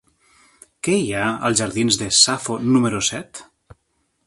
Què hi ha als jardins de Safo número set?